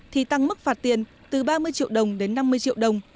thì tăng mức phạt tiền từ ba mươi triệu đồng đến năm mươi triệu đồng